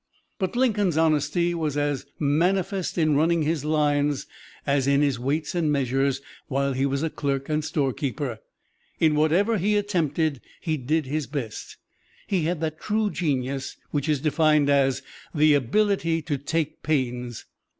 But Lincoln's honesty was as manifest in "running his lines" as in his weights and measures while he was a clerk and storekeeper. In whatever he attempted he did his best. He had that true genius, which is defined as "the ability to take pains."